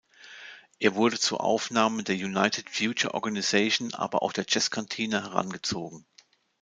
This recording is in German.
Er wurde zu Aufnahmen der "United Future Organization", aber auch der "Jazzkantine" herangezogen.